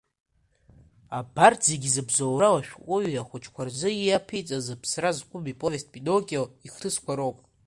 Абарҭ зегьы зыбзоуроу ашәҟәыҩҩы ахәыҷқәа рзы иаԥиҵаз, ԥсра зқәым иповест Пиноккио ихҭысқәа роуп.